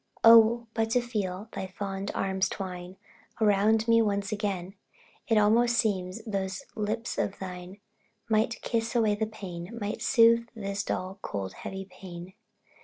Oh, but to feel thy fond arms twine Around me, once again! It almost seems those lips of thine Might kiss away the pain might soothe This dull, cold, heavy pain.